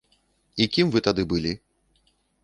І кім вы тады былі?